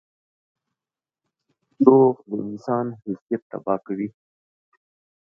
• دروغ د انسان حیثیت تباه کوي.